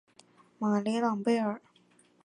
马尼朗贝尔。